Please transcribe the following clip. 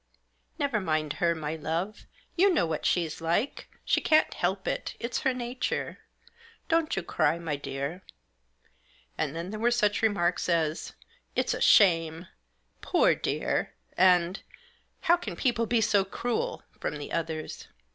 " Never mind her, my love ; you know what she's like ; she can't help it, it's her nature. Don't you cry, my dear." And then there were such remarks as " It's a shame I "" Poor dear 1 " and " How can people be so cruel ?" from the others.